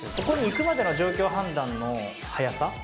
ここに行くまでの状況判断の早さ。